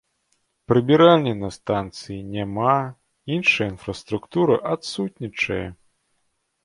Прыбіральні на станцыі няма, іншая інфраструктура адсутнічае.